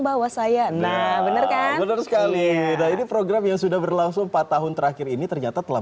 bawa saya nah bener kan ini program yang sudah berlangsung empat tahun terakhir ini ternyata telah